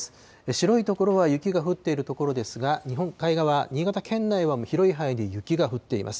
白い所は雪が降っている所ですが、日本海側、新潟県内は広い範囲で雪が降っています。